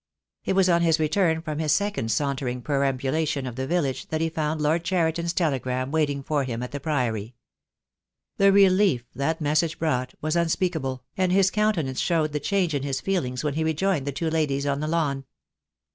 It was on his return from his second sauntering perambulation of the village that he found Lord Cheri ton's telegram waiting for him at the Priory. The relief that message brought was unspeakable, and his counten ance showed the change in his feelings when he rejoined the two ladies on the lawn.